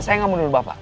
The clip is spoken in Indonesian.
saya nggak menurut bapak